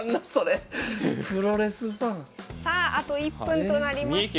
さああと１分となりました。